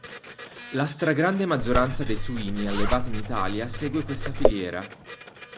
La stragrande maggioranza dei suini allevati in Italia segue questa filiera.